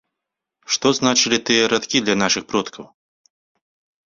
Што значылі тыя радкі для нашых продкаў?